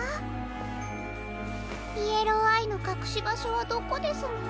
イエローアイのかくしばしょはどこですの？